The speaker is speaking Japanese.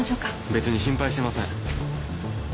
別に心配してません。